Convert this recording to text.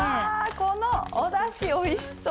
このおだしおいしそう！